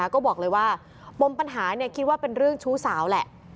ก็บอกเลยว่าปมปัญหาคิดว่าเป็นเรื่องชู้สาวแหละ